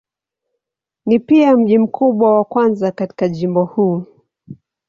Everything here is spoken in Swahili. Ni pia mji mkubwa wa kwanza katika jimbo huu.